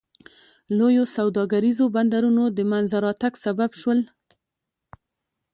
لویو سوداګریزو بندرونو د منځته راتګ سبب شول.